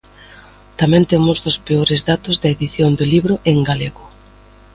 Temos tamén dos peores datos da edición do libro en galego.